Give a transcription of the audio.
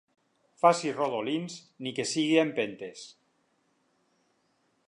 Faci rodolins, ni que sigui a empentes.